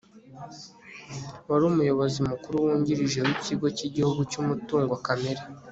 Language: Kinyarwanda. wari umuyobozi mukuru wungirije w'ikigo cy'igihugu cy'umutungo kamere